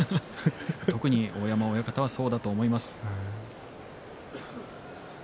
特に大山親方はそうだと思います。